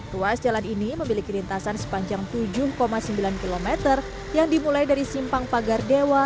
ruas jalan ini memiliki lintasan sepanjang tujuh sembilan km yang dimulai dari simpang pagar dewa